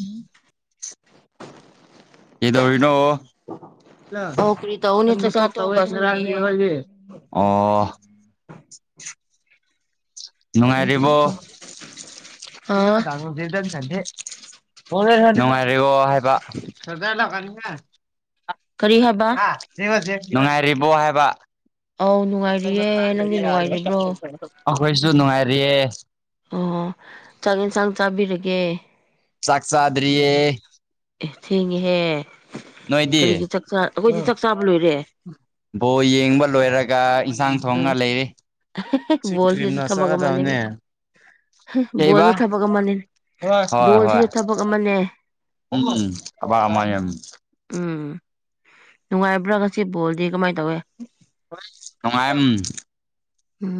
ꯎꯝ ꯏꯗꯣꯔꯤꯅꯣ ꯀꯦ ꯑꯧ ꯀꯔꯤ ꯇꯧꯅꯤ ꯆꯥꯛꯆꯥ ꯇꯣꯛꯑꯒ ꯁꯨꯝ ꯂꯩꯌꯦ [unintelligible] ꯅꯨꯡꯉꯥꯏꯔꯤꯕꯣꯗ ꯑꯥ ꯆꯦ ꯅꯨꯡꯉꯥꯏꯔꯔꯤꯕꯣ ꯍꯥꯏꯕ ꯀꯔꯤ ꯍꯥꯏꯕ ꯅꯨꯡꯉꯥꯏꯔꯤꯕꯣ ꯍꯥꯏꯕ ꯑꯧ ꯅꯨꯡꯉꯥꯏꯔꯤꯌꯦ ꯅꯪꯗꯤ ꯅꯨꯡꯉꯥꯏꯔꯤꯕ꯭ꯔꯣ ꯑꯈꯣꯏꯁꯨ ꯅꯨꯡꯉꯥꯏꯔꯤꯦ ꯑꯣ ꯆꯥꯛ ꯌꯦꯟꯁꯥꯡ ꯆꯥꯕꯤꯔꯒꯦ ꯆꯥꯛꯆꯥꯗ꯭ꯔꯤ ꯑꯦ ꯊꯦꯡꯉꯦꯍꯦ ꯅꯣꯏꯗꯤ ꯀꯔꯤꯒꯤ ꯆꯥꯛꯆꯥ ꯑꯩꯈꯣꯏꯗꯤ ꯆꯥꯛ ꯆꯥꯕ ꯂꯣꯏꯔꯦ ꯕꯣ ꯌꯦꯡꯕ ꯂꯣꯏꯔꯒ ꯌꯦꯟꯁꯥꯡ ꯊꯣꯡꯒ ꯑꯥ ꯂꯩꯔꯤ ꯍꯦꯛ ꯁꯋꯤ ꯕꯣꯜꯁꯤꯁꯨ ꯀ꯭ꯔꯤꯝꯗꯣ ꯊꯕꯛ ꯑꯃꯅꯦ ꯆꯠꯀꯗꯕꯅꯦ ꯕꯣꯜꯁꯨ ꯊꯕꯛ ꯑꯃꯅꯤ ꯍꯣꯏ ꯍꯣꯏ ꯕꯣꯜꯁꯤꯁꯨ ꯊꯕꯛ ꯑꯃꯅꯦ ꯎꯝ ꯑꯕꯃꯥꯏꯦꯝ ꯅꯨꯡꯉꯥꯏꯕ꯭ꯔꯥꯒꯁꯤ ꯕꯣꯜꯗꯤ ꯀꯃꯥꯏꯅ ꯇꯧꯋꯦ ꯅꯅꯨꯡꯉꯥꯏꯦꯝ ꯎꯝ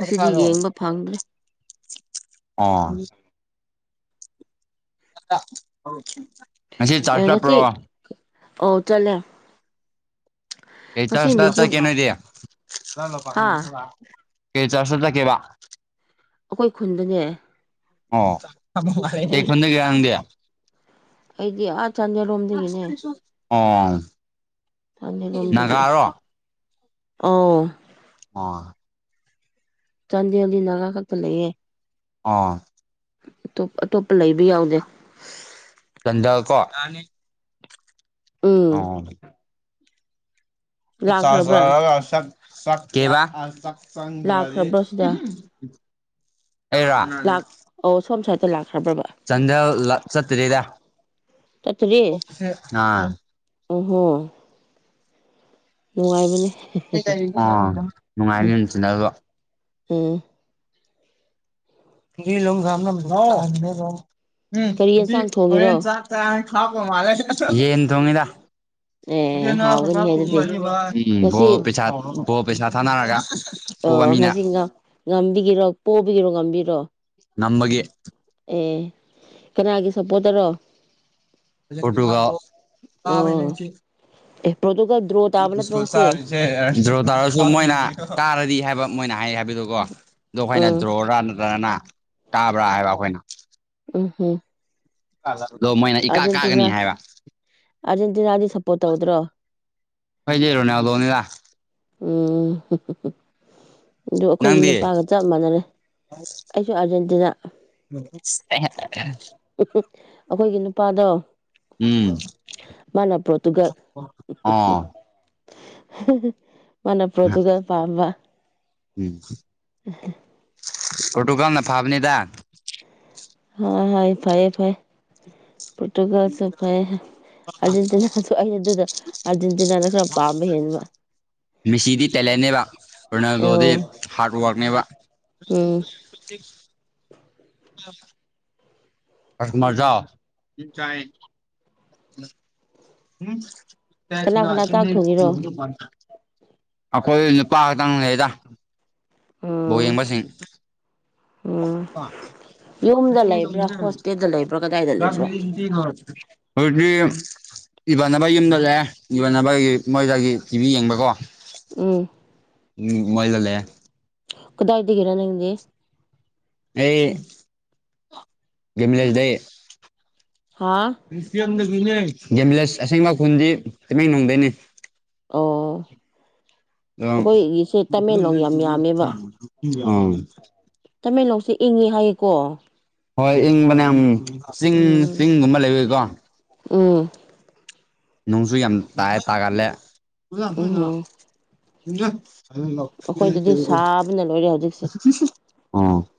ꯑꯁꯤꯗꯤ ꯌꯦꯡꯕ ꯐꯪꯗ꯭ꯔꯦ ꯑꯥ ꯉꯁꯤ ꯆꯥ ꯑꯦ ꯉꯁꯤ ꯆꯠꯄ꯭ꯔꯣ ꯑꯧ ꯆꯠꯂꯦ ꯍ ꯆ ꯉꯁꯤ ꯑꯁ ꯃꯦꯁꯤ ꯆ ꯀꯅꯗ ꯆ ꯍꯥ ꯀ ꯆꯁꯂ ꯀꯦꯕ ꯑꯩꯈꯣꯏ ꯈꯨꯟꯗꯅꯦ ꯑꯣ ꯍꯗꯅꯗ ꯑꯩ ꯑꯩꯗꯤ ꯑꯥ ꯆꯥꯟꯗꯦꯜꯔꯣꯝꯗꯒꯤꯅꯦ ꯑꯣ ꯅꯥꯒꯥꯔꯣ ꯑꯣ ꯑꯣ ꯆꯥꯟꯗ ꯂꯤ ꯅꯂ ꯀꯛꯇ ꯂꯩꯌꯦꯦ ꯑꯥ ꯑꯇꯣꯞ ꯑꯇꯣꯞꯄ ꯂꯩꯕ ꯌꯥꯎꯗꯦ ꯆꯟꯗ ꯀꯣ ꯎꯝ ꯑ ꯂꯥꯛꯈ꯭ꯔꯕ꯭ꯔꯥ [unintelligible] ꯂꯥꯛꯈ꯭ꯔꯕ꯭ꯔꯥ ꯁꯤꯗ ꯆꯥꯡꯗ꯭ꯔꯥꯗꯤ ꯂꯥꯛ ꯑꯣ ꯁꯁꯥꯇ ꯂꯥꯛ ꯆꯗ ꯂ ꯆꯠꯇꯗ ꯑꯥ ꯑꯍꯨꯝ ꯅꯨꯡꯉꯥꯏꯕꯅꯦ ꯅꯨꯡꯉꯥꯏꯅꯤꯁꯤꯅ ꯑꯝ [unintelligible] ꯃꯥ ꯀꯔꯤ ꯌꯦꯟꯁꯥꯡ ꯊꯣꯡꯉꯤꯔꯣ ꯌꯦꯟ ꯇꯣꯡꯉꯗ [unintelligible] ꯑꯦ ꯍꯥꯎꯒꯅꯤꯍꯦ ꯑꯗꯨꯗꯤ ꯎꯝ ꯕꯣ ꯉꯁꯤ ꯄꯩꯁꯥ ꯚꯣꯠ ꯄꯩꯁꯥ ꯊꯥꯅꯔꯒ ꯑ ꯄꯣꯕ ꯃꯤꯅ ꯉꯁꯤ ꯉ ꯉꯝꯕꯤꯒꯤꯔꯣ ꯄꯣꯕꯤꯒꯤꯔꯣ ꯉꯕꯤ ꯅꯝꯕꯒꯤ ꯑꯦ ꯀꯅꯥꯒꯤ ꯁꯄꯣꯠꯇꯔꯣ [unintelligible] ꯑꯣ [unintelligible] ꯑꯦ ꯄꯣꯔꯇꯨꯒꯜ ꯗ꯭ꯔꯣ ꯇꯥꯕ ꯅꯠꯇ꯭ꯔꯣ ꯉꯁꯤ [unintelligible] ꯇꯥꯔꯁꯨ ꯃꯣꯏꯅ ꯀꯥꯔꯗꯤ ꯍꯥꯏꯕ ꯃꯣꯏꯅ ꯍꯥꯏ ꯍꯥꯏꯕ ꯗꯨꯀꯣ ꯑꯗꯨ ꯑꯩꯈꯣꯏꯅ ꯎꯝ ꯗ꯭ꯔꯣꯔꯥ ꯅꯠꯇ꯭ꯔꯒꯅ ꯇꯥꯕ꯭ꯔꯥ ꯍꯥꯏꯕ ꯑꯩꯈꯣꯏꯅ ꯎꯝ ꯍꯝ ꯗꯣ ꯃꯣꯏꯅ ꯏꯀꯥ ꯀꯥꯒꯅꯤ ꯍꯥꯏꯕ ꯑꯥꯔꯖꯦꯟꯇꯤꯅꯥꯗꯤ ꯁꯞꯄꯣꯔꯠ ꯇꯧꯗ꯭ꯔꯣ ꯍꯩꯖꯔꯣꯅꯦ ꯂꯣꯅꯤꯗ ꯎꯝ ꯑꯗꯨ ꯑꯩꯈꯣꯏꯒꯤ ꯅꯪꯗꯤ ꯅꯨꯄꯥꯒ ꯆꯞ ꯃꯥꯟꯅꯔꯦ ꯑꯩꯁꯨ ꯑꯥꯔꯖꯦꯟꯇꯤꯅꯥ [inaudible] ꯑꯩꯈꯣꯏꯒꯤ ꯅꯨꯄꯥꯗꯣ ꯎꯝ ꯃꯥꯅ ꯄꯣꯔꯇꯨꯒꯜ ꯑꯣ ꯃꯅ ꯄ꯭ꯔꯗꯨꯒ ꯄꯥꯝꯝꯕ ꯎꯝ ꯎ ꯐꯣꯇꯣꯀꯜꯅ ꯐꯥꯕꯅꯤꯗ ꯍꯣꯏ ꯍꯣꯏ ꯐꯩꯌꯦ ꯐꯌꯦ ꯄꯣꯔꯇꯨꯒꯜꯁꯨ ꯐꯌꯦ ꯑꯥꯔꯖꯦꯟꯇꯤꯅꯥꯁꯨ ꯑꯩꯅ ꯑꯗꯨꯗ ꯑꯥꯔꯖꯦꯟꯇꯤꯅꯥꯅ ꯈꯔ ꯄꯥꯝꯕ ꯍꯦꯟꯕ ꯃꯤꯁꯤꯗꯤ ꯇꯦꯂꯦꯟꯅꯦꯕ ꯔꯣꯅꯥꯜꯗꯣꯗꯤ ꯑꯧ ꯍꯥꯔꯠ ꯋꯥꯔꯛꯅꯦꯕ ꯎꯝ [inaudible] ꯑ ꯍꯃꯖꯥ [unintelligible] ꯀꯅꯥ ꯀꯅꯥ ꯆꯥꯛ ꯊꯣꯡꯉꯤꯔꯣ ꯑꯩꯈꯣꯏ ꯂꯨꯄꯥ ꯈꯇꯪ ꯂꯩꯗ ꯎꯝ [unintelligible] ꯕꯁꯤꯡ ꯎꯝ ꯌꯨꯝꯗ ꯂꯩꯕ꯭ꯔꯥ ꯍꯣꯁꯇꯦꯜꯗ ꯂꯩꯕ꯭ꯔꯥ ꯀꯗꯥꯏꯗ [unintelligible] ꯂꯩꯕ꯭ꯔꯥ ꯍꯧꯖꯤꯛꯇꯤ ꯏꯃꯅꯕ ꯌꯨꯝꯗ ꯂꯩꯑꯦ ꯏꯃꯥꯟꯅꯕꯒꯤ ꯃꯣꯏꯗꯒꯤ ꯇꯤꯚꯤ ꯌꯦꯡꯕꯀꯣ ꯎꯝ ꯎꯝ ꯃꯣꯏꯗ ꯂꯩ ꯀꯗꯥꯏꯗꯒꯦꯔ ꯅꯗ ꯑꯦ [unintelligible] ꯍꯥ ꯒꯦꯝꯕꯤꯂꯁ ꯑꯁꯦꯡꯕ ꯈꯨꯟꯗꯤ ꯇꯨꯃꯦꯡꯂꯣꯡꯗꯩꯅꯤ ꯑꯣ ꯑꯗꯣ ꯑꯩꯈꯣꯏꯒꯤꯁꯦ ꯇꯃꯦꯡꯂꯣꯡ ꯌꯥꯝ ꯌꯥꯝꯃꯦꯕ ꯑ ꯇꯃꯦꯡꯂꯣꯡꯁꯦ ꯏꯪꯉꯦ ꯍꯥꯏꯌꯦꯀꯣ ꯍꯣꯏ ꯏꯪꯕꯅꯌꯥꯝ ꯆꯤꯡ ꯎꯝ ꯆꯤꯡꯒꯨꯝꯕ ꯂꯩꯕꯏꯀꯣ ꯎꯝ ꯅꯨꯡꯁꯨ ꯌꯥꯝ ꯇꯥꯏꯑ ꯇꯥꯒꯠꯂꯦ ꯎꯝ ꯑꯩꯈꯣꯏꯗꯗꯤ ꯁꯥꯕꯅ ꯂꯣꯏꯔꯦ ꯍꯧꯖꯤꯛꯁꯦ [unintelligible]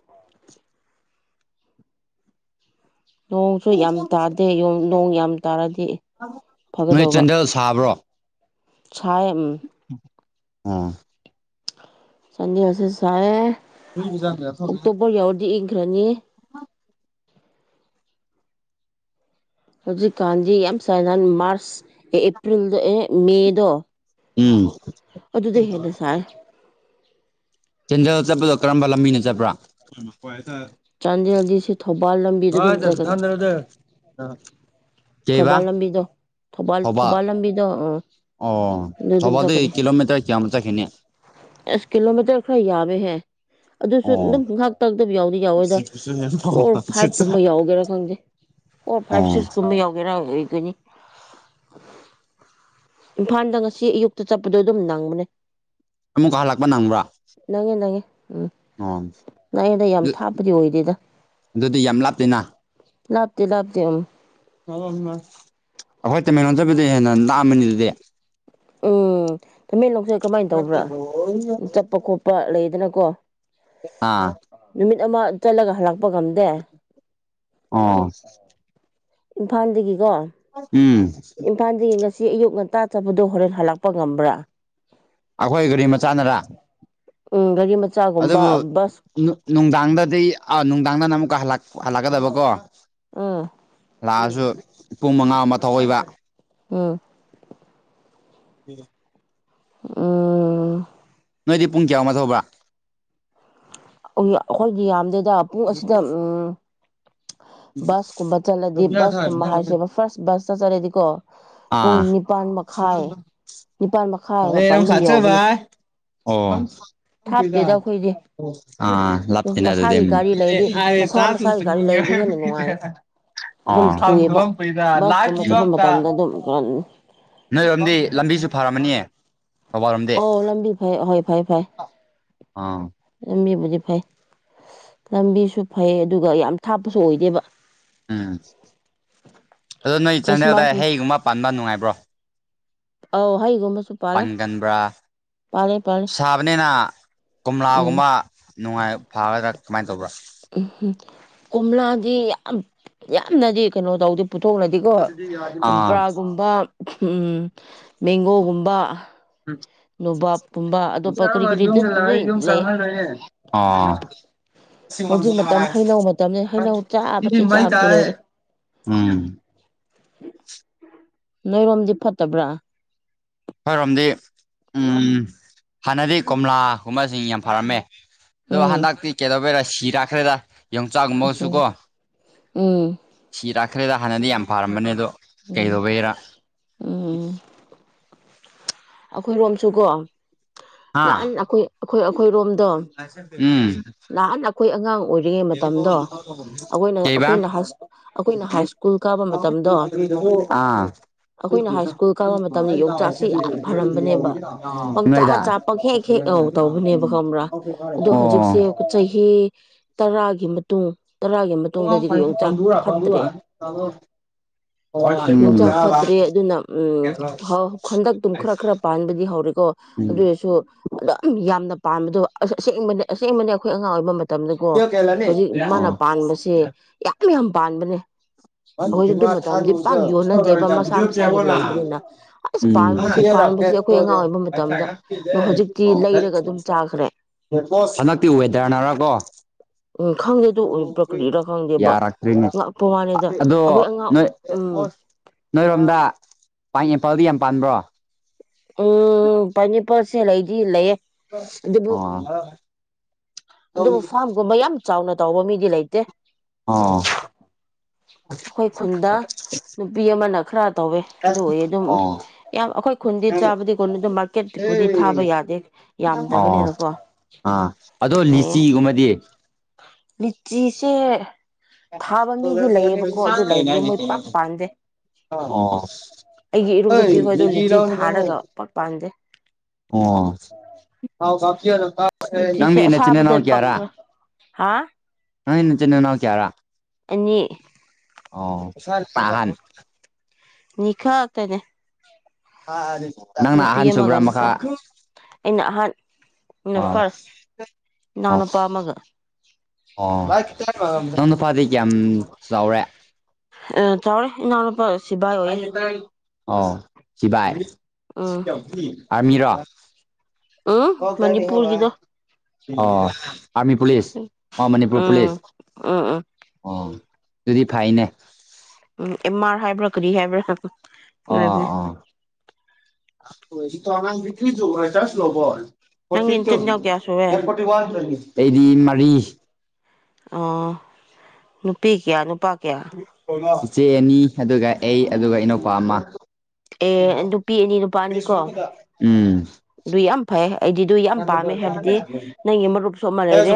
ꯅꯣꯡꯁꯨ ꯌꯥꯝ ꯇꯥꯗꯦ ꯅꯣꯡ ꯌꯥꯝ ꯇꯥꯔꯗꯤ ꯅꯣꯏ ꯆꯥꯟꯗꯦꯜ ꯁꯥꯕ꯭ꯔꯣ ꯁ ꯑꯥ ꯆꯟꯗꯦꯁꯦ ꯁꯥꯏ ꯎꯝ ꯑꯣꯛꯇꯣꯕꯔ ꯌꯥꯎꯔꯗꯤ ꯏꯪꯈ꯭ꯔꯅꯤ ꯍꯧꯖꯤꯛꯀꯥꯟꯗꯤ ꯌꯥꯝ ꯁꯥꯏꯖꯟ ꯃꯥꯔꯁ ꯑꯦ ꯑꯦꯄ꯭ꯔꯤꯜꯗ ꯑꯦ ꯃꯦꯗꯣ ꯎꯝ ꯑꯗꯨꯗ ꯍꯦꯟꯅ ꯁꯥꯔ ꯆꯦꯟꯗꯦꯜ ꯆꯠꯄꯗꯣ ꯀꯔꯝꯕ ꯂꯝꯕꯤꯅ ꯆꯠꯄ꯭ꯔꯥ ꯆꯥꯟꯗꯦꯜꯗꯤ ꯁꯤ ꯊꯧꯕꯥꯜ ꯂꯝꯕꯤꯗ ꯍ ꯑꯗꯨꯝ ꯆꯠ ꯆꯠꯀꯅꯤ ꯊꯥꯟꯗꯗ ꯑ ꯊꯧꯕꯥꯜ ꯂꯝꯕꯤꯗꯧ ꯊꯧꯕꯥꯜ ꯂꯝꯕꯤꯗ ꯑ ꯑꯣ ꯁꯕꯥꯗꯤ ꯀꯤꯂꯣꯃꯤꯇꯔ ꯀꯌꯥ ꯑꯃꯠꯇ ꯈꯅꯤ ꯑ ꯀꯂꯣꯃꯤꯇꯔ ꯈꯥꯏ ꯌꯥꯕꯦ ꯍꯥꯏꯦ ꯑꯗꯨꯁꯨ ꯑꯣ ꯑꯗꯨꯝ ꯉꯥꯏꯍꯥꯛ ꯇꯥꯛꯛꯇꯕ ꯌꯥꯎꯗꯤ ꯌꯥꯎꯋꯦꯗ ꯐꯣꯔ ꯐꯥꯏꯚ ꯀꯨꯝꯕ ꯌꯥꯎꯒꯦꯔꯥ ꯈꯪꯗꯦ ꯑꯣ ꯐꯥꯏꯚ ꯁꯤꯛꯁꯀꯨꯝꯕ ꯌꯥꯎꯒꯦꯔꯥ ꯑꯣꯏꯒꯅꯤ ꯏꯝꯐꯥꯜꯗ ꯉꯁꯤ ꯑꯌꯨꯛꯇ ꯆꯠꯄꯗꯣ ꯑꯗꯨꯝ ꯅꯪꯕꯅꯦ ꯑꯃꯨꯛꯀ ꯍꯜꯂꯛꯄ ꯅꯪꯕ꯭ꯔꯥ ꯅꯪꯉꯦ ꯅꯪꯉꯦ ꯎꯝ ꯑꯣ ꯅꯏꯗ ꯌꯥꯝ ꯑꯗꯨ ꯊꯥꯞꯄꯗꯤ ꯑꯣꯏꯗꯦꯗ ꯑꯗꯨꯗꯤ ꯌꯥꯝ ꯂꯥꯞꯇꯦꯅ ꯂꯞꯇ ꯂꯞꯇ ꯎ ꯑꯩꯈꯣꯏ ꯇꯃꯦꯦꯟ ꯂꯣꯟꯖꯕꯗ ꯍꯦꯟꯅ ꯂꯥꯛꯑꯝꯕꯅꯤ ꯑꯗꯨꯗꯤ ꯎꯝ ꯊꯃꯦꯦꯟꯡꯂꯣꯡꯁꯦ ꯀꯃꯥꯏꯅ ꯇꯧꯕ꯭ꯔꯥ ꯆꯠꯄ ꯈꯣꯠꯄ ꯂꯩꯗꯅꯀꯣ ꯑꯥ ꯃꯤꯠ ꯑꯃ ꯆꯠꯂꯒ ꯍꯔꯄ ꯑꯣꯥ ꯏꯝꯐꯥꯜꯗꯒꯤꯀꯣ ꯎꯝ ꯏꯝꯐꯥꯜꯗꯒꯤ ꯉꯁ ꯁꯤ ꯑꯌꯨꯛ ꯉꯟꯇꯥ ꯆꯕꯗꯣ ꯍꯣꯔꯦꯟ ꯍꯜꯂꯛꯄ ꯉꯝꯕ꯭ꯔꯥ ꯑꯩꯈꯣꯏ ꯒꯥꯔꯤ ꯃꯆꯥꯥꯟꯅꯔꯥ ꯎꯝ ꯒꯥꯔꯤ ꯑꯗꯨꯕꯨ ꯃꯆꯥꯒꯨꯝꯕ ꯕꯁ ꯅꯨꯡꯗꯥꯡꯗꯗꯤ ꯑꯥ ꯅꯨꯡꯗꯥꯡꯗꯪꯅ ꯑꯃꯨꯛꯀ ꯍꯜꯂꯛꯀꯗꯕꯀꯣ ꯑꯥ ꯂꯥꯛꯑꯁꯨ ꯄꯨꯡ ꯃꯉꯥ ꯑꯃ ꯊꯣꯛꯧꯏꯕ ꯎꯝ ꯎꯝ ꯑ ꯅꯣꯏꯗꯤ ꯄꯨꯡ ꯀꯌꯥꯉꯥ ꯊꯧꯕ꯭ꯔꯥ ꯑꯩꯈꯣꯏꯗꯤ ꯌꯥꯝꯗꯦꯗ ꯄꯨꯡ ꯑꯁꯤꯗ ꯎꯝ ꯕꯁ ꯀꯨꯝꯕ ꯆꯠꯂꯗꯤ ꯕꯁꯀꯨꯝꯕ ꯍꯥꯏꯁꯦꯕ ꯐꯥꯔꯁ ꯕꯁꯇ ꯆꯠꯂꯗꯤꯀꯣ ꯄꯨꯡ ꯑꯥ ꯅꯤꯄꯥꯜ ꯃꯈꯥꯏ ꯑꯣ ꯅꯤꯄꯥꯜ ꯃꯈꯥꯏ ꯃꯥꯄꯜ ꯑꯗꯨꯝ ꯌꯥꯎꯕꯅꯦ ꯑꯣ ꯂꯞ ꯇꯅ ꯑꯗꯨ ꯃꯁꯥꯒꯤ ꯒꯥꯔꯤ ꯂꯩꯔꯗꯤ ꯃꯁꯥ ꯆ ꯃꯁꯥꯒꯤ ꯒꯥꯔꯤ ꯂꯩꯔꯗꯤ ꯍꯦꯟꯅ ꯅꯨꯡꯉꯥꯏꯌꯦ ꯗꯗ ꯑꯗꯨꯝ ꯊꯨꯑꯦꯕ ꯍꯝꯄꯣꯏꯗ ꯂꯥꯛ ꯕꯁꯀꯨꯝꯕ ꯆꯠꯄ ꯏꯒꯇ ꯃꯇꯝꯗ ꯑꯗꯨꯝ ꯅꯣꯏꯔꯣꯝꯗꯤ ꯂꯝꯕꯤꯁꯨ ꯐꯔꯝꯃꯅꯤꯌꯦ ꯊꯧꯕꯥꯜꯔꯣꯝꯗꯤ ꯑꯣ ꯂꯝꯕꯤ ꯐꯩ ꯍꯣꯏ ꯐꯩ ꯐꯩ ꯑꯥ ꯂꯝꯕꯤ ꯐꯩ ꯂꯝꯕꯤꯁꯨ ꯐꯩ ꯑꯗꯨꯒ ꯌꯥꯝ ꯊꯥꯞꯄꯁꯨ ꯑꯣꯏꯗꯦꯕ ꯎꯝ ꯑꯣ ꯅꯣꯏ ꯆꯥꯟꯗꯦꯜꯗ ꯈ꯭ꯔꯤꯁꯃꯥꯁ ꯍꯩꯒꯨꯝꯕ ꯄꯥꯟꯕ ꯅꯨꯡꯉꯥꯏꯕ꯭ꯔꯣ ꯑꯥꯎ ꯍꯩꯒꯨꯝꯕꯁꯨꯄꯥꯜ ꯄꯥꯟꯒꯟꯕ꯭ꯔꯥ ꯁꯥꯕꯅꯤꯅ ꯀꯣꯝꯂꯥꯒꯨꯝꯕ ꯅꯨꯡꯉꯥꯏꯕ ꯐꯥꯔꯗ꯭ꯔ ꯎꯝ ꯀꯣꯝꯂꯥꯗꯤ ꯌꯥꯝ ꯌꯥꯝꯅꯗꯤ ꯀꯩꯅꯣ ꯇꯧꯗꯤ ꯄꯨꯊꯣꯛꯅꯗꯤꯀꯣ ꯑꯥ ꯆꯝꯄ꯭ꯔꯥꯒꯨꯝꯕ ꯃꯦꯡꯒꯣꯒꯨꯝꯕ ꯅꯣꯕꯥꯞꯀꯨꯝꯕ ꯑꯇꯣꯞꯄ ꯀꯔꯤ ꯑ ꯀꯔꯤ ꯌ ꯑꯗꯨꯗꯤ ꯌꯎ ꯂꯩ ꯆꯅꯦ ꯍꯧꯖꯤꯛ ꯃꯇꯝ ꯍꯩꯅꯧ ꯃꯇꯝꯅꯤ ꯍꯩꯅꯧ ꯀꯗꯤ ꯆꯥꯕꯁꯤ ꯃꯥꯏ ꯆꯥꯕꯁꯤ ꯇꯥꯏ ꯂꯣꯏꯔꯦ ꯎꯝ ꯅꯣꯏꯔꯣꯝꯗꯤ ꯐꯠꯇꯕ꯭ꯔꯥ ꯑꯩꯈꯣꯏꯔꯣꯝꯗꯤ ꯍꯥꯟꯅꯗꯤ ꯀꯣꯝꯂꯥꯒꯨꯝꯕꯁꯤꯡ ꯌꯥꯝ ꯐꯔꯝꯃꯦ ꯑꯗꯨꯣ ꯎꯝ ꯍꯗꯥꯛꯇ ꯀꯗꯣꯕꯦꯔ ꯁꯤꯔ ꯍꯥꯈ꯭ꯔꯦꯗ ꯌꯣꯡꯆꯥꯛꯒꯨꯝꯕꯒꯁꯨ ꯎꯝ ꯀꯣ ꯎꯝ ꯁꯤꯗ ꯠꯈ꯭ꯔꯦꯗ ꯍꯥꯟꯅꯗꯤ ꯌꯥꯝ ꯐꯥꯔꯝꯕꯅꯦ ꯑꯗꯣ ꯎꯝ ꯀꯩꯗꯧꯕꯩꯔ ꯎꯝ ꯑꯩꯈꯣꯏꯔꯣꯝꯁꯨꯀꯣ ꯅꯍꯥꯟ ꯍꯥ ꯑꯩꯈꯣꯏ ꯑꯩꯈꯣꯏ ꯑꯩꯈꯣꯏꯔꯣꯝ ꯑꯗꯣ ꯎꯝ ꯅꯍꯥꯟ ꯑꯩꯈꯣꯏ ꯑꯉꯥꯡ ꯑꯣꯏꯔꯤꯉꯩ ꯃꯇꯝꯗꯣ ꯑꯩꯈꯣꯏꯅ ꯀꯩꯕ ꯑꯩꯈꯣꯏꯅ ꯑꯩꯈꯣꯏꯅ ꯍꯥꯏ ꯁ꯭ꯀꯨꯜ ꯀꯥꯕ ꯃꯇꯝꯗꯣ ꯑꯥ ꯑꯩꯈꯣꯏꯅ ꯍꯥꯏ ꯁ꯭ꯀꯨꯜ ꯀꯥꯕ ꯃꯇꯝꯗ ꯌꯣꯡꯆꯥꯛꯁꯤ ꯌꯥꯝ ꯐꯔꯝꯕꯅꯦꯕ ꯄꯪꯆꯥ ꯆ ꯅꯣꯏꯗ ꯄꯪ ꯍꯦꯛ ꯍꯦꯛ ꯉꯧ ꯇꯧꯕꯅꯦꯕ ꯈꯪꯕ꯭ꯔꯥ ꯑꯗꯣ ꯍꯧꯖꯤꯛꯁꯦ ꯄꯦ ꯇꯔꯥꯒꯤ ꯃꯇꯨꯡ ꯇꯔꯥꯒꯤ ꯃꯇꯨꯡꯗꯗꯤ ꯌꯣꯡꯆꯥꯛ ꯐꯠꯇ꯭ꯔꯦ ꯑꯣ ꯎꯝ ꯅꯨꯡꯆꯥꯛ ꯐꯠꯇ꯭ꯔꯦ ꯑꯗꯨꯅ ꯎꯝꯟꯗꯛ ꯇꯨꯝ ꯈꯔ ꯈꯔ ꯄꯥꯟꯕꯗꯤ ꯍꯧꯔꯀꯣ ꯑꯗꯨꯔꯁꯨ ꯑꯗꯨꯝ ꯌꯥꯝꯅ ꯄꯥꯟꯕꯥꯗꯣ ꯑꯁ ꯑꯁꯦꯡꯕ ꯑꯁꯦꯡꯕꯅꯦ ꯑꯩꯈꯣꯏ ꯑꯉꯥꯡ ꯑꯣꯏꯕ ꯃꯇꯝꯗꯀꯣ ꯍꯧꯖꯤꯛ ꯃꯥꯅ ꯄꯥꯟꯕꯁꯦ ꯌꯥꯝ ꯌꯥꯝ ꯄꯥꯟꯕꯅꯦ ꯑꯩꯈꯣꯏꯁꯨ ꯑꯗꯨ ꯃꯇꯝꯗꯤ ꯄꯥꯛ ꯌꯣꯟꯅꯗꯦꯕ ꯃꯁꯥ ꯃꯁꯥꯒꯤ ꯑꯣ ꯂꯩꯕꯅꯤꯅ ꯑꯁ ꯄꯥꯟꯕꯁ ꯁꯤ ꯄꯥꯟꯕꯁꯦ ꯑꯩꯈꯣꯏ ꯑꯉꯥꯡ ꯑꯣꯏꯕ ꯃꯇꯝꯗ ꯍꯧꯖꯤꯛꯇꯤ ꯂꯩꯔꯒ ꯑꯗꯨꯝ ꯍꯟꯗꯛꯇꯤ ꯆꯥꯈ꯭ꯔꯦ ꯣ ꯍꯟꯗꯛꯇꯤ ꯋꯦꯗꯔꯅꯔ ꯀꯣ ꯎꯝ ꯈꯪꯗꯦ ꯑꯗꯨ ꯑꯣꯏꯕ꯭ꯔꯥ ꯀꯔꯤꯔꯥ ꯈꯪꯗꯦꯕ ꯌꯥꯔꯈꯔꯤꯅꯤ ꯉꯛꯄ ꯋꯥꯅꯤꯗ ꯑꯗꯣ ꯑꯩꯈꯣꯏ ꯑꯉꯥꯡ ꯅ ꯎꯝ ꯅꯣꯏꯔꯣꯝꯗ ꯄꯥꯡ ꯑꯦꯄꯜꯗꯤ ꯌꯥꯝ ꯄꯥꯟꯕ꯭ꯔꯣ ꯎꯝ ꯄꯅꯤꯄꯔꯁꯦꯂ ꯏ ꯏꯂꯌꯦꯦ ꯑꯗꯨꯕꯨ ꯑꯣ ꯑꯗꯨꯕꯨ ꯐꯥꯝꯒꯨꯝꯕ ꯌꯥꯝ ꯆꯥꯎꯅ ꯇꯧꯕ ꯃꯤꯗꯤ ꯂꯩꯇꯦ ꯑꯣ ꯑꯩꯈꯣꯏ ꯈꯨꯨꯟꯗꯥ ꯅꯨꯄꯤ ꯑꯃ ꯅꯈꯔꯥ ꯇꯧꯋꯦ ꯑꯗꯨ ꯎꯏ ꯑꯗꯨꯝ ꯌꯥꯝ ꯑꯩꯈꯣꯏ ꯈꯨꯟꯗꯤ ꯆꯥꯕꯗꯤ ꯀꯣꯟ ꯑꯗꯨꯝ ꯀꯦꯠꯄꯨꯗꯤ ꯊꯥꯕ ꯌꯥꯗꯦ ꯑꯣ ꯑꯣ ꯌꯥꯝꯗꯕꯅꯤꯅꯀꯣ ꯑꯥ ꯑꯗꯣ ꯑ ꯂꯤꯆꯤꯒꯨꯝꯕꯗꯤ ꯕꯤꯆꯁꯦ ꯑꯗꯨ ꯂꯩꯕꯗꯣ ꯃꯣꯏ ꯄꯥꯛ [unintelligible] ꯄꯥꯟꯗꯦ ꯑ ꯑꯩꯒꯤ ꯍꯣꯏ ꯏꯔꯨꯞꯅꯨꯄꯤꯈꯣꯏꯗꯣ ꯃꯤꯒꯤꯔ ꯂꯤꯆꯤ ꯊꯥꯔꯒ ꯄꯥꯛ ꯄꯥꯟꯗꯦ ꯑꯣ ꯃꯆꯤꯁꯦ ꯅꯪꯗꯤ ꯅꯆꯤꯟ ꯑꯁꯥꯕꯗ ꯅꯅꯥꯎ ꯀꯌꯥꯔꯥ ꯄꯛꯄ ꯍꯥꯥ ꯅꯪꯗꯤ ꯅꯆꯤꯟ ꯅꯅꯥꯎ ꯀꯌꯥꯔꯥ ꯑꯅꯤ ꯑꯣ ꯄ ꯅꯤꯡꯈꯥ ꯍꯥꯏꯥꯛꯇꯅꯦ ꯅꯪꯅ ꯅꯨꯄꯤ ꯑꯍꯟ ꯃꯒ ꯁꯨꯕ꯭ꯔꯥ ꯅꯨꯄꯥꯄꯥ ꯃꯈꯥ ꯏ ꯍꯥ ꯎ ꯑꯣ ꯐꯥꯔꯁ ꯏꯅꯥꯎ ꯑꯣ ꯅꯨꯄꯥ ꯑꯃꯒ ꯑꯣ ꯅ ꯅꯨꯄꯥꯗꯤ ꯀꯌꯥꯝ ꯆꯥꯎꯔꯦ ꯑ ꯆꯥꯎꯧꯔꯦ ꯏꯅꯎꯅꯨꯄꯥꯦ ꯑꯣ ꯁꯤꯕꯥ ꯎꯝ ꯑꯥꯔꯃꯤꯔꯣ ꯎꯝ ꯍꯀꯅꯤ ꯍꯕ ꯃꯅꯤꯄꯨꯔꯒꯤꯗꯣ ꯑ ꯑꯔꯃꯤ ꯄꯨꯂꯤꯁ ꯑ ꯃꯅꯤꯄꯨꯔ ꯎꯝ ꯄꯨꯂꯤꯁ ꯎꯝ ꯎꯝ ꯑ ꯑꯗꯨꯗꯤ ꯐꯥꯏꯅꯦ ꯎꯝ ꯑꯦꯝ ꯑꯥꯔ ꯍꯥꯏꯕ꯭ꯔꯥ ꯀꯗꯤ ꯍꯥꯏꯕ꯭ꯔꯥ ꯑꯥ ꯑꯣꯏꯕꯅꯦ ꯑꯥ ꯏ ꯑꯉꯥꯡ ꯀ ꯌꯒ ꯑꯁꯂ ꯣ ꯐꯇꯤ ꯅꯪꯒꯤ ꯇ ꯅꯆꯤꯟ ꯏꯅꯥꯎ ꯀꯌꯥ ꯁꯨꯔꯦ ꯐꯇꯤ ꯋꯥꯗꯤ ꯃꯔꯤ ꯑ ꯅꯨꯄꯤ ꯀꯌꯥ ꯅꯨꯄꯥ ꯀꯌꯥ ꯏꯆꯦ ꯑꯅꯤ ꯑꯗꯨꯒ ꯑꯩ ꯑꯗꯨꯒ ꯏꯅꯧꯄꯥ ꯑꯃ ꯑꯦ ꯅꯨꯄꯤ ꯑꯅꯤ ꯅꯨꯄꯥꯅꯤꯀꯣ ꯑꯗꯨ ꯌꯥꯝ ꯐꯩ ꯑꯩꯗꯤꯗꯨ ꯌꯥꯝ ꯄꯥꯝꯃꯦ ꯍꯥꯏꯕꯗꯤ ꯅꯪꯒꯤ ꯃꯔꯨꯞꯁꯨ ꯑꯃ ꯂꯩꯔꯦ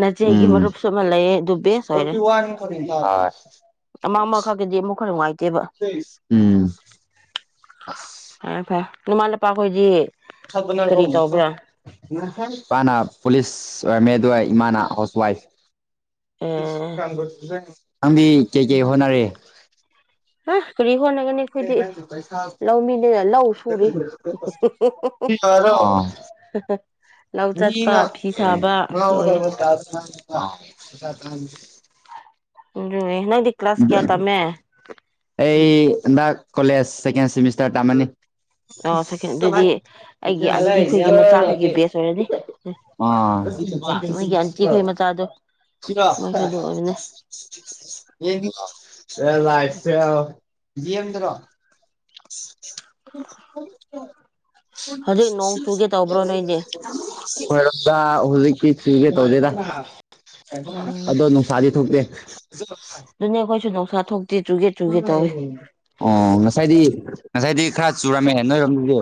ꯅꯆꯦ ꯑꯩꯒꯤ ꯎꯝ ꯃꯔꯨꯞꯁꯨ ꯑꯃ ꯂꯩ ꯗꯨꯕ ꯁꯣꯏꯔꯦ ꯑꯃ ꯑꯃ ꯈꯛꯗꯤ ꯎꯝ ꯅꯃꯥꯄꯥꯈꯣꯏꯗꯤ ꯊꯅ ꯀ ꯏꯄꯥꯅ ꯄꯨꯂꯤꯁ ꯑꯣꯏꯔꯝꯃꯦ ꯑꯗꯨꯏ ꯏꯃꯥꯅ ꯍꯥꯎꯁ ꯑ ꯋꯥꯏꯐ ꯪꯕꯤ ꯀꯩ ꯀꯩ ꯍꯣꯅꯔꯦ ꯍꯥ ꯄꯨꯔꯤ ꯊꯣꯟꯅꯒꯅꯤ ꯑꯩꯈꯣꯏꯗꯤ ꯂꯧꯃꯤꯅꯦꯅ ꯂꯧ ꯁꯨꯔꯤ ꯁꯤꯇ ꯃꯤꯅꯎ ꯑ ꯂꯣꯏꯌꯦ ꯅꯗꯤ ꯀ꯭ꯂ ꯀ꯭ꯂꯥꯁ ꯀꯌꯥ ꯊ ꯃ ꯑꯩ ꯀꯂꯦꯖꯀꯦꯟ ꯁꯤꯃꯤꯁꯇꯔ ꯇꯥꯃꯅꯤ ꯑꯣ ꯁꯦꯀꯦꯟ ꯂ ꯑꯗꯨꯗꯤ ꯑ ꯑꯩꯒꯤ ꯑꯟꯇꯤ ꯈꯣꯏꯒꯤ ꯀꯔꯣ ꯃꯆꯥꯈꯣꯏꯒꯤ ꯕꯦꯁ ꯑꯣꯏꯔꯅꯤ ꯅꯣꯏꯒꯤ ꯑꯟꯇꯤ ꯈꯣꯏ ꯃꯆꯥꯗꯣ ꯃꯣꯏꯁꯨ ꯑꯗꯨ ꯑꯣꯏꯕꯅꯦ ꯌꯦꯣ ꯑꯦ ꯂꯥꯏ ꯌꯦꯗ꯭ꯔꯣ ꯍꯧꯖꯤꯛ ꯅꯣꯡ ꯆꯨꯒꯦ ꯇꯧꯕ꯭ꯔꯣ ꯅꯣꯏꯗꯤ [unintelligible] ꯈꯣꯏꯔꯗ ꯍꯧꯖꯤꯛꯀꯤ ꯁꯤꯨꯒꯦ ꯇꯧꯗꯦꯗ ꯎꯝ ꯑꯗꯣ ꯅꯨꯡꯁꯥꯗꯤ ꯊꯣꯛꯇꯦ ꯑꯗꯨꯅꯦ ꯑꯩꯈꯣꯏꯁꯨ ꯅꯨꯡꯁꯥ ꯊꯣꯛꯇꯦ ꯆꯨꯒꯦ ꯆꯨꯒꯦ ꯇꯧꯋꯤ ꯑꯣ ꯉꯁꯥꯏꯗꯤ ꯉꯁꯥꯏꯗꯤ ꯈꯔ ꯆꯨꯔꯝꯃꯦ ꯅꯣꯏꯔꯣꯝꯗꯨꯗꯤ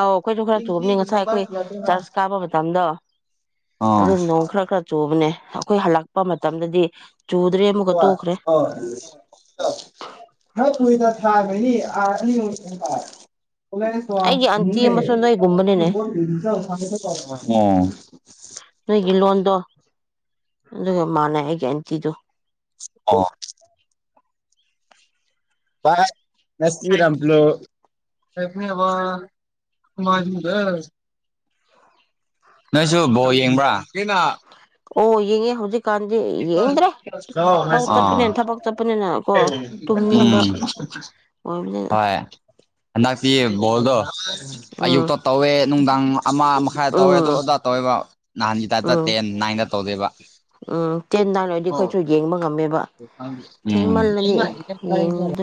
ꯑꯧ ꯑꯩꯈꯣꯏꯁꯨ ꯈꯔ ꯆꯨꯝꯕꯅꯤ ꯉꯁꯥꯏ ꯑꯩꯈꯣꯏ ꯆꯔꯆ ꯀꯥꯞꯄ ꯃꯇꯝꯗ ꯑꯗꯨ ꯑꯣ ꯅꯣꯡ ꯈꯔ ꯈꯔ ꯆꯨꯕꯅꯦ ꯑꯩꯈꯣꯏ ꯍꯜꯂꯛꯄ ꯃꯇꯝꯗꯗꯤ ꯆꯨꯗ꯭ꯔꯦ ꯑꯃꯨꯛꯀ ꯇꯣꯛꯈ꯭ꯔꯦ ꯍꯥꯏ ꯊꯗ ꯁꯥꯥꯕꯅꯤ ꯑꯅꯤ ꯑꯣꯂ ꯁꯣ ꯑꯩꯒꯤ ꯑꯟꯇꯤ ꯑꯃꯁꯨ ꯅꯣꯏꯒꯨꯝꯕꯅꯤꯅꯦ ꯅꯣꯏꯒꯤ ꯂꯣꯟꯗꯣ ꯑꯗꯨꯒ ꯃꯥꯥꯟꯅ ꯑꯩꯒꯤ ꯑꯦꯟꯇꯤꯗꯨꯣ ꯑ ꯅꯁꯔꯝ ꯄꯂꯣ ꯑꯦꯅꯤ ꯑ ꯀꯃꯗ ꯅꯣꯏꯁꯨ ꯕꯣ ꯌꯦꯡꯕ꯭ꯔꯥꯩꯅ ꯑꯣ ꯌꯦꯡꯉꯦ ꯍꯧꯖꯤꯛ ꯀꯥꯟꯗꯤ ꯌꯦꯡꯗ꯭ꯔꯦ ꯂꯧ ꯆꯠꯄꯅꯤꯅ ꯊꯕꯛ ꯆꯠꯄꯅꯤꯅ ꯀꯣ ꯇꯨꯝꯅꯤꯡꯕ ꯎꯝ ꯑꯣꯏ ꯍꯟꯗꯛꯛꯇꯤ ꯕꯣꯜꯗꯣ ꯎꯝ ꯑꯌꯨꯛꯇ ꯇꯧꯋꯦ ꯅꯨꯡꯗꯥꯡ ꯑꯃ ꯃꯈꯥꯏꯗ ꯇꯧꯋꯦ ꯑꯗꯨ ꯎꯝ ꯑꯣꯗꯥ ꯇꯧꯋꯦꯕ ꯅꯍꯥꯟꯒꯤ ꯇꯥꯏꯞꯇ ꯎꯝ ꯇꯦꯟ ꯅꯥꯏꯟꯗ ꯇꯧꯗꯣꯏꯕ ꯎꯝ ꯇꯦꯟꯗꯥꯅꯣꯏꯗꯤ ꯑꯩꯈꯣꯏꯁꯨ ꯌꯦꯡꯕ ꯉꯝꯃꯦꯕ ꯊꯦꯡꯃꯜꯂꯅꯤ ꯌꯦꯡꯕꯗꯣ [unintelligible]